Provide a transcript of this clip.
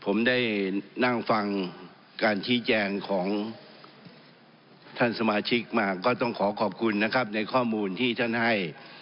ผมได้นั่งฟังการชี้แจงของท่านสมาชิกมาก็ต้องขอขอบคุณนะครับในข้อมูลที่ท่านให้